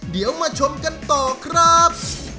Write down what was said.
เดี๋ยวมาชมกันต่อครับ